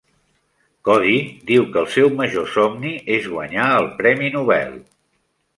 Cody diu que el seu major somni és guanyar el premi Nobel.